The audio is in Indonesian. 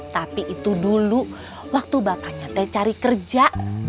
tapi itu dulu waktu bapaknya teh cari kerja